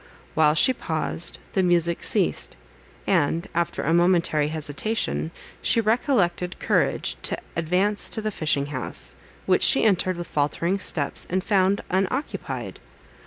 While she paused, the music ceased; and, after a momentary hesitation, she recollected courage to advance to the fishing house, which she entered with faltering steps, and found unoccupied!